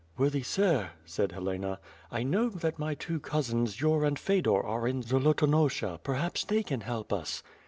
"Worthy sir," said Helena, "I know tha t my two cousins, Yur and Fedor are in Zolotonosha; perhaps they can help us."